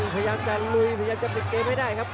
พยายามจะลุยพยายามจะปิดเกมให้ได้ครับ